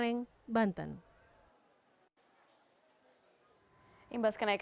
enggak gak biasa itu sih